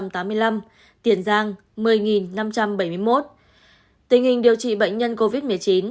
tình hình điều trị bệnh nhân covid một mươi chín